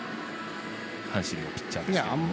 阪神のピッチャーですけど。